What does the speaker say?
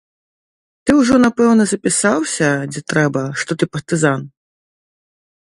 Ты ўжо, напэўна, запісаўся, дзе трэба, што ты партызан?